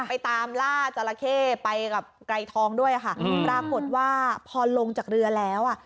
ไปตามล่าจราเข้ไปกับไกรทองด้วยค่ะปรากฏว่าพอลงจากเรือแล้วอ่ะ